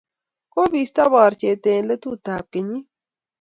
kobisto borchet eng' letutab kenyit.